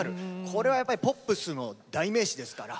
これはやっぱりポップスの代名詞ですから。